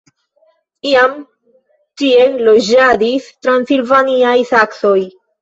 Iam tie loĝadis transilvaniaj saksoj.